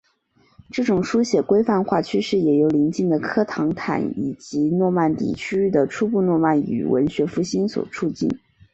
这种书写规范化趋势也由临近的科唐坦以及诺曼底区域的初步诺曼语文学复兴所促进。